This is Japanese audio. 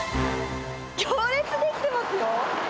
行列出来てますよ。